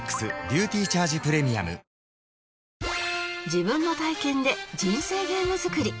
自分の体験で人生ゲーム作り